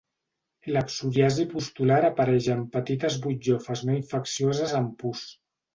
La psoriasi pustular apareix amb petites butllofes no infeccioses amb pus.